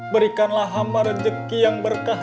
berikanlah hamba rejeki yang berkah